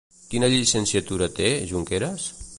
Quina llicenciatura té, Junqueras?